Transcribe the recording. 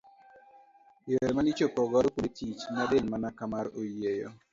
Yore mane ichopo godo kuonde tich ne diny mana ka mar oyieyo.